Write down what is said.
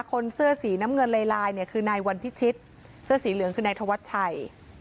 คนเสื้อสีน้ำเงินลายเนี่ยคือนายวันพิชิตเสื้อสีเหลืองคือนายธวัชชัย